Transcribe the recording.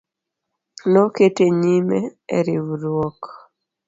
Nokete nyime e riwruok